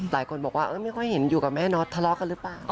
หลายคนบอกว่าไม่ค่อยเห็นอยู่กับแม่น็อตทะเลาะกันหรือเปล่า